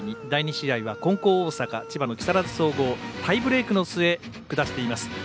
第２試合は、金光大阪千葉の木更津総合タイブレークの末下しています。